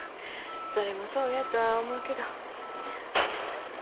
それもそうやとは思うけど。